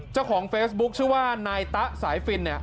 เจ้าของเฟซบุ๊คชื่อว่านายตะสายฟินเนี่ย